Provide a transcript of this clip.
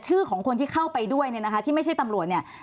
ชื่อของคนที่เข้าไปด้วยเนี่ยนะคะที่ไม่ใช่ตำรวจเนี่ย